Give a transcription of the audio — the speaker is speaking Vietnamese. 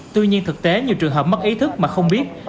tuy nhiên thực tế nhiều trường hợp mất ý thức mà không biết